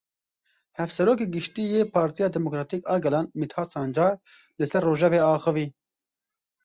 Hevserokê Giştî yê Partiya Demokratîk a Gelan Mîthat Sancar li ser rojevê axivî.